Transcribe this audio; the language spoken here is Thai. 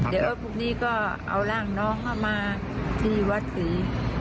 เดี๋ยวพรุ่งนี้ก็เอาร่างน้องเข้ามาที่วัดศรี